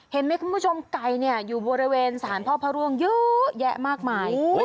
เห็นไหมคุณผู้ชมไก่เนี่ยอยู่บริเวณสารพ่อพระร่วงเยอะแยะมากมาย